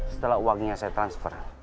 setelah uangnya saya transfer